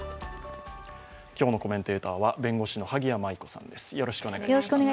今日のコメンテーターは弁護士の萩谷麻衣子さんです。